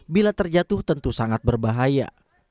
bila terjatuh tentu sangat berbahaya